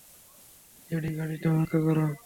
JD, গাড়িতে অপেক্ষা করো।